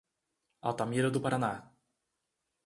Altamira do Paraná